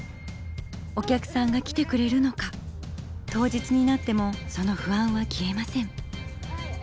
お客さんが来てくれるのか当日になってもその不安は消えません。